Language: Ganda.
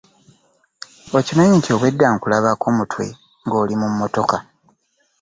Okimanyi nti obwe da nkulabako mutwe nga oli mu mmotoka.